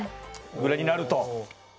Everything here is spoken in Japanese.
ぐらいになると。